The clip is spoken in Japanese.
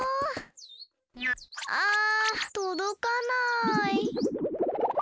あとどかない。